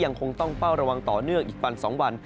ยังคงต้องเฝ้าระวังต่อเนื่องอีกวัน๒วัน